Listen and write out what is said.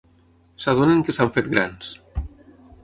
S'adonen que s'han fet grans.